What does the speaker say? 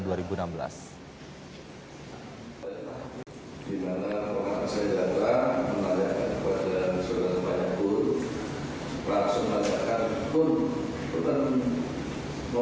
di mana orang saya datang menanyakan kepada soeja sembanyakku langsung menanyakan